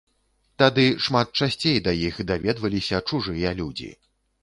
Тады шмат часцей да іх даведваліся чужыя людзі.